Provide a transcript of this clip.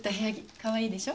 かわいいでしょ？